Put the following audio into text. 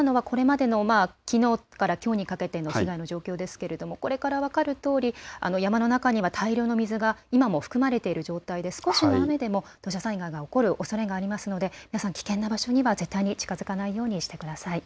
きのうからきょうにかけての状況ですけれど、これから分かるとおり山の中には大量の水が今も含まれている状態、少しの雨でも土砂災害、起こるおそれがありますので危険な場所には絶対、近づかないようにしてください。